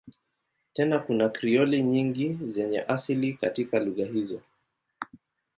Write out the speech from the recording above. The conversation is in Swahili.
Tena kuna Krioli nyingi zenye asili katika lugha hizo.